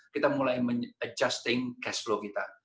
kita mulai menyesuaikan cash flow kita